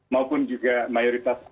maupun juga mayoritas